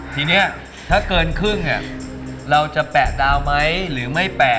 ทีนี้ถ้าเกินครึ่งเราจะแปะดาวไหมหรือไม่แปะ